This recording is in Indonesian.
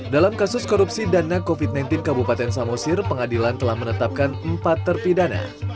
dalam kasus korupsi dana covid sembilan belas kabupaten samosir pengadilan telah menetapkan empat terpidana